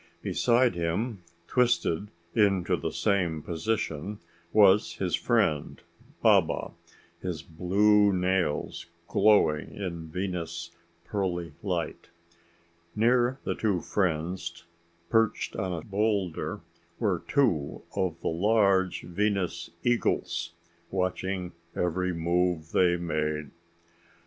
Beside him, twisted into the same position, was his friend Baba, his blue nails glowing in Venus' pearly light. Near the two friends, perched on a boulder, were two of the large Venus eagles, watching every move they made.